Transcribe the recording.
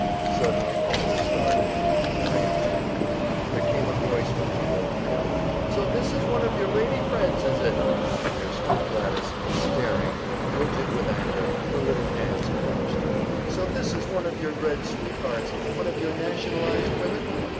Suddenly Peter started, and Miriam too. There came a voice from the doorway. "So this is one of your lady friends, is it?" And there stood Gladys, staring, rigid with anger, her little hands clenched. "So this is one of your Red sweethearts, one of your nationalized women?"